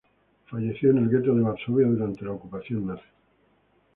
Falleció en el gueto de Varsovia durante la ocupación nazi.